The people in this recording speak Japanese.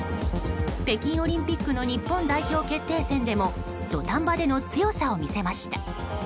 北京オリンピックの日本代表決定戦でも土壇場での強さを見せました。